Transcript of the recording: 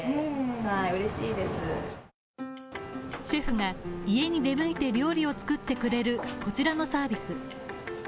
シェフが家に出向いて料理を作ってくれるこちらのサービス。